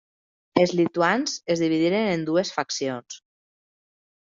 Els lituans es dividiren en dues faccions.